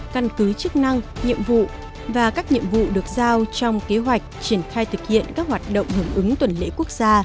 căn cứ chức năng nhiệm vụ và các nhiệm vụ được giao trong kế hoạch triển khai thực hiện các hoạt động hưởng ứng tuần lễ quốc gia